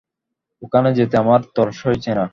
ওখানে যেতে আমার তর সইছে না।